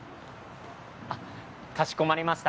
かしこまりました。